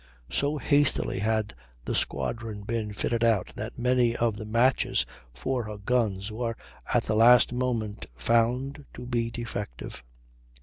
So hastily had the squadron been fitted out that many of the matches for her guns were at the last moment found to be defective.